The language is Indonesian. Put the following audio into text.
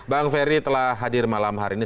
bang ferry telah hadir malam hari ini